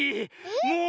もう。